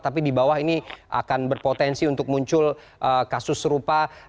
tapi di bawah ini akan berpotensi untuk muncul kasus serupa